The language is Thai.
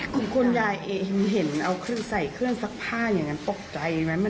คือคุณยายเองเห็นเอาเครื่องใส่เครื่องซักผ้าอย่างนั้นตกใจไหม